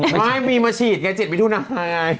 ไม่มีมาฉีดไงเจ็บมิถุนายอย่างไร